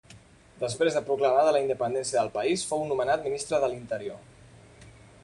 Després de proclamada la independència del país fou nomenat ministre de l'interior.